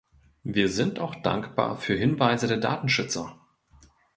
Wir sind auch dankbar für Hinweise der Datenschützer.